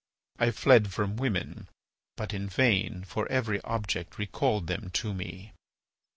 I fled from women, but in vain, for every object recalled them to me."